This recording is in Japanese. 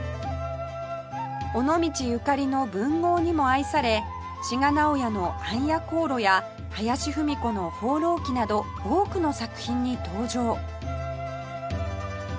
尾道ゆかりの文豪にも愛され志賀直哉の『暗夜行路』や林芙美子の『放浪記』など多くの作品に登場